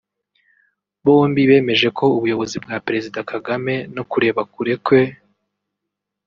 bombi bemeje ko ubuyobozi bwa Perezida Kagame no kureba kure kwe